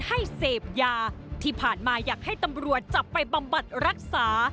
ให้เสพยาที่ผ่านมาอยากให้ตำรวจจับไปบำบัดรักษา